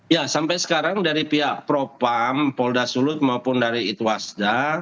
ya sampai sekarang dari pihak propam polda sulut maupun dari itwasda